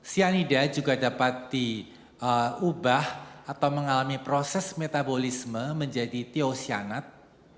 cyanida juga dapat diubah atau mengalami proses metabolisme menjadi teosianat